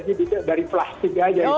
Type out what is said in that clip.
jadi dari plastik aja